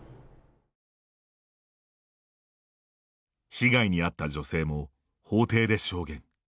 被害に遭った女性も法廷で証言。